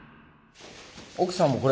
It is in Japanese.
奥さんもこれ。